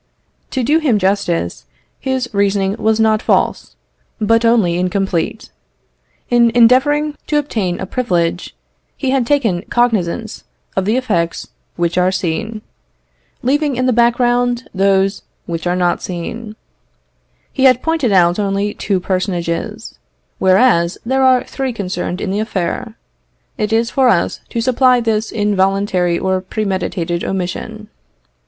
To do him justice, his reasoning was not false, but only incomplete. In endeavouring to obtain a privilege, he had taken cognizance of the effects which are seen, leaving in the background those which are not seen. He had pointed out only two personages, whereas there are three concerned in the affair. It is for us to supply this involuntary or premeditated omission.